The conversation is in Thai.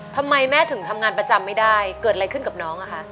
ทำไมแม่ถึงทำงานประจำไม่ได้เกิดอะไรขึ้นกับน้องอะคะ